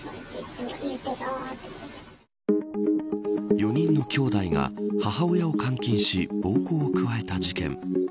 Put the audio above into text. ４人のきょうだいが母親を監禁し暴行を加えた事件。